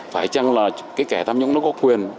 phải chăng là cái kẻ tham nhũng nó có quyền